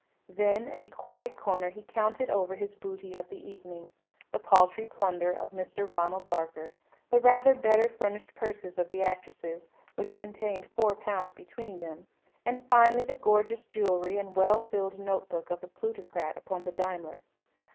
Then, in a quiet corner, he counted over his booty of the evening the paltry plunder of Mr. Ronald Barker, the rather better furnished purses of the actresses, which contained four pounds between them, and, finally, the gorgeous jewellery and well filled note book of the plutocrat upon the Daimler.